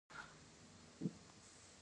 کوربچې او بالښتان سموي.